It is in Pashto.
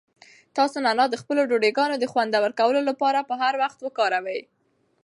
تاسو نعناع د خپلو ډوډۍګانو د خوندور کولو لپاره په هر وخت وکاروئ.